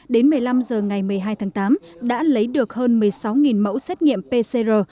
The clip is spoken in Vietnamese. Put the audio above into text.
đến một mươi năm h ngày một mươi hai tháng tám đã lấy được hơn một mươi sáu mẫu xét nghiệm pcr